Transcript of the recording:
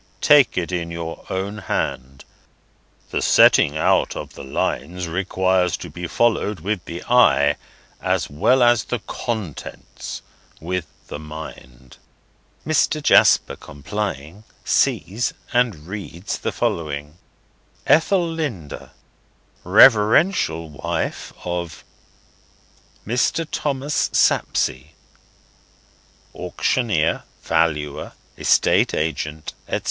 Take it in your own hand. The setting out of the lines requires to be followed with the eye, as well as the contents with the mind." Mr. Jasper complying, sees and reads as follows: ETHELINDA, Reverential Wife of MR. THOMAS SAPSEA, AUCTIONEER, VALUER, ESTATE AGENT, &c.